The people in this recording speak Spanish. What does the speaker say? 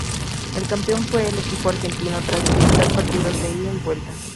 El campeón fue el equipo argentino tras disputar partidos de ida y vuelta.